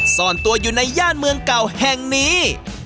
ซ่อนตัวอยู่ในย่านเมืองเก่าแห่งนี้